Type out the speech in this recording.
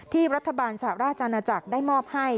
ที่รัฐบาลสหราชอาณาจักรได้มอบให้